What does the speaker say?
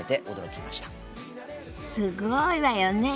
すごいわよね。